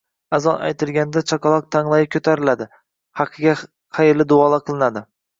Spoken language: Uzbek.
Azon aytilganida chaqaloq tanglayi ko‘tariladi, haqiga xayrli duolar qilinadi.